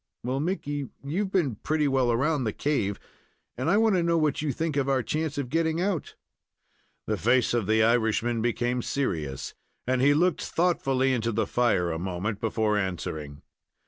"Well, Mickey, you've been pretty well around the cave, and I want to know what you think of our chance of getting out?" The face of the Irishman became serious, and he looked thoughtfully into the fire a moment before answering.